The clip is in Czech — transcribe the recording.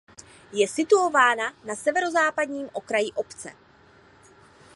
Je situována na severozápadním okraji obce.